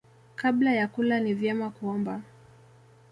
Kabla ya kula ni vyema kuomba.